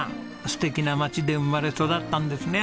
素敵な町で生まれ育ったんですね